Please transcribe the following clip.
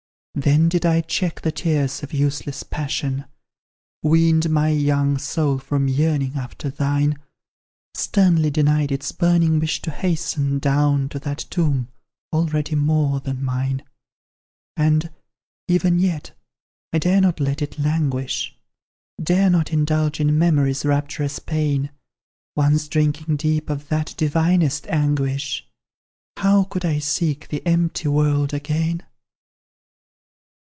Then did I check the tears of useless passion Weaned my young soul from yearning after thine; Sternly denied its burning wish to hasten Down to that tomb already more than mine. And, even yet, I dare not let it languish, Dare not indulge in memory's rapturous pain; Once drinking deep of that divinest anguish, How could I seek the empty world again?